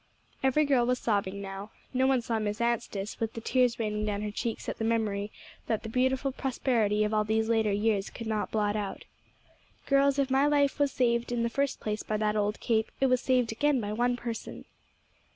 Every girl was sobbing now. No one saw Miss Anstice, with the tears raining down her cheeks at the memory that the beautiful prosperity of all these later years could not blot out. "Girls, if my life was saved in the first place by that old cape, it was saved again by one person."